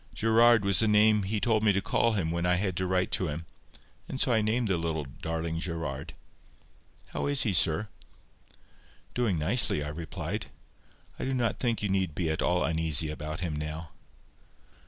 Gerard was the name he told me to call him when I had to write to him, and so I named the little darling Gerard. How is he, sir?" "Doing nicely," I replied. "I do not think you need be at all uneasy about him now."